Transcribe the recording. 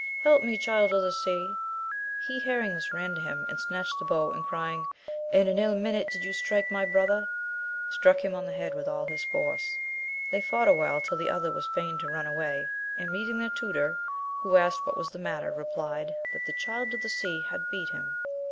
Help me. Child of the Sea ! He hearing this ran to him, and snatched the bow and crying. In an ill minute did you strike my brother, struck him on the head with all his force. They fought awhile till the other was fain to run away, and meeting their tutor, who asked what was the matter, rephed, that the Child of the Sea had beat him.